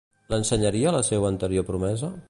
L'ensenyaria la seua anterior promesa?